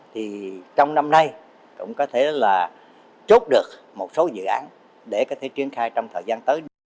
thì trong năm nay cũng có thể là chốt được một số dự án để có thể triển khai trong thời gian tới